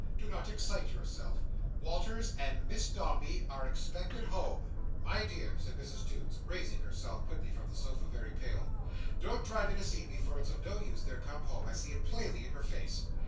Do not excite yourself. Walters and Miss Dombey are expected home!" "My dear," said Mrs Toots, raising herself quickly from the sofa, very pale, "don't try to deceive me, for it's no use, they're come home—I see it plainly in your face!"